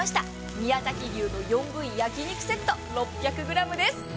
宮崎牛の４部位焼き肉セット６００ｇです。